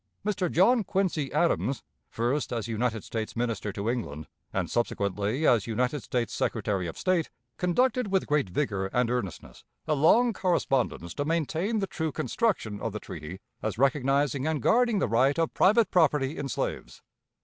Mr. John Quincy Adams, first as United States Minister to England, and subsequently as United States Secretary of State, conducted with great vigor and earnestness a long correspondence to maintain the true construction of the treaty as recognizing and guarding the right of private property in slaves.